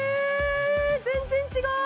全然違う！